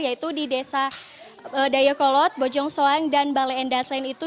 yaitu di desa dayakolot bojong soang dan bale endas lain itu